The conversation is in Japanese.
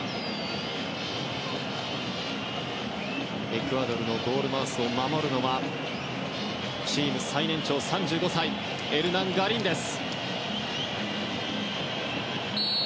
エクアドルのゴールマウスを守るのはチーム最年長、３５歳エルナン・ガリンデス。